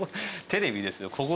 テレビですよ。